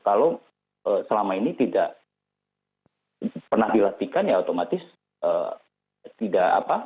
kalau selama ini tidak pernah dilatihkan ya otomatis tidak apa